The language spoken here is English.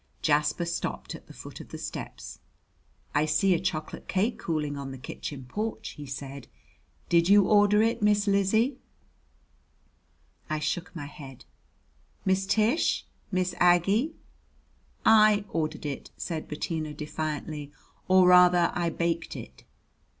Jasper stopped at the foot of the steps. "I see a chocolate cake cooling on the kitchen porch," he said. "Did you order it, Miss Lizzie?" I shook my head. "Miss Tish? Miss Aggie?" "I ordered it," said Bettina defiantly "or rather I baked it."